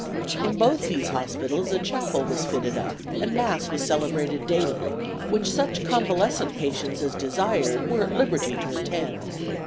In both these hospitals a chapel was fitted up and Mass was celebrated daily, which such convalescent patients as desired were at liberty to attend.